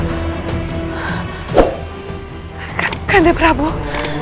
itu syamalkan buildah